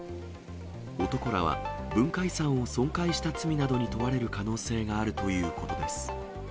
男らは文化遺産を損壊した罪などに問われる可能性があるということです。